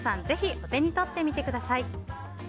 ぜひ、お手に取ってみてください。